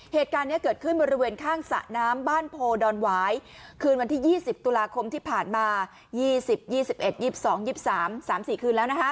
เหตุการณ์นี้เกิดขึ้นบริเวณข้างสระน้ำบ้านโพดอนหวายคืนวันที่๒๐ตุลาคมที่ผ่านมา๒๐๒๑๒๒๒๓๓๔คืนแล้วนะคะ